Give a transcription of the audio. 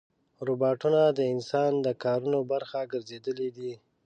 روباټونه د انسان د کارونو برخه ګرځېدلي دي.